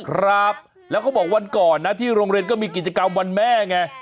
ครับแล้วเขาบอกวันก่อนนะที่โรงเรียนก็มีกิจกรรมวันแม่ไง